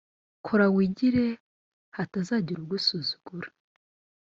Kora wigire hatazagira ugusuzugura